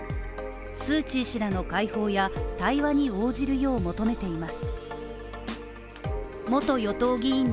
スー・チー氏らの解放や対話に応じるよう求めています。